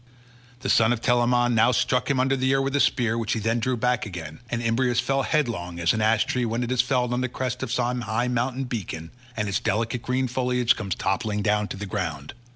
The son of Telamon now struck him under the ear with a spear which he then drew back again, and Imbrius fell headlong as an ash tree when it is felled on the crest of some high mountain beacon, and its delicate green foliage comes toppling down to the ground.